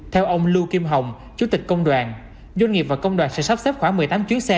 theo ông lưu kim hồng chủ tịch công đoàn doanh nghiệp và công đoàn sẽ sắp xếp khoảng một mươi tám chuyến xe